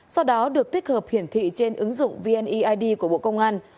sau đó được tích hợp hiển thị trên ứng dụng vneid của bộ công an